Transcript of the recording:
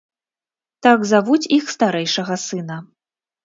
Так завуць іх старэйшага сына.